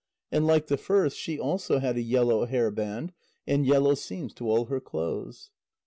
And like the first, she also had a yellow hair band, and yellow seams to all her clothes.